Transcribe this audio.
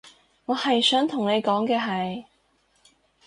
我係想同你講嘅係